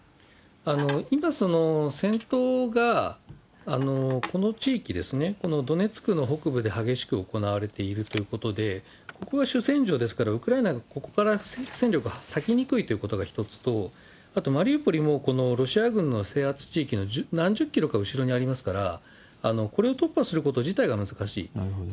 今、戦闘がこの地域ですね、このドネツクの北部で激しく行われているということで、ここが主戦場ですから、ウクライナがここから戦力を割きにくいということが一つと、あとマリウポリもこのロシア軍の制圧地域の何十キロか後ろにありますから、これを突破すること自体が難しい。